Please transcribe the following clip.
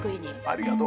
ありがとう！